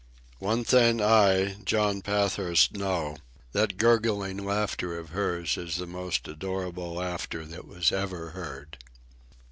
One thing I, John Pathurst, know: that gurgling laughter of hers is the most adorable laughter that was ever heard.